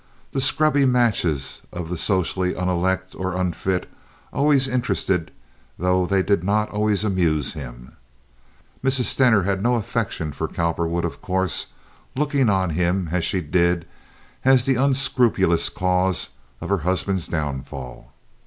The scrubby matches of the socially unelect or unfit always interested, though they did not always amuse, him. Mrs. Stener had no affection for Cowperwood, of course, looking on him, as she did, as the unscrupulous cause of her husband's downfall.